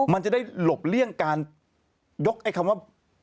มันจะได้หลบเลี่ยงการยกไอ้คำว่า